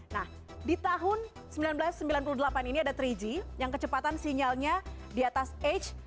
nah di tahun seribu sembilan ratus sembilan puluh delapan ini ada tiga g yang kecepatan sinyalnya di atas h